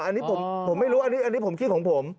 อันนี้ผมไม่รู้อันนี้ผมคิดของผม